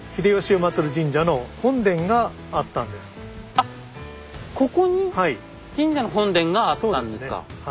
あっここに神社の本殿があったんですか？